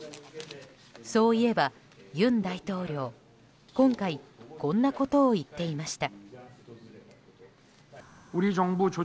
そういえば、尹大統領今回こんなことを言っていました。